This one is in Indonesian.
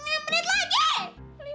enam menit lagi